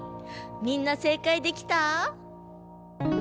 みんな正解できた？